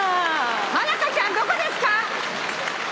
真香ちゃんどこですか？